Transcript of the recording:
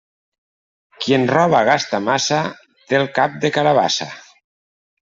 Qui en roba gasta massa té el cap de carabassa.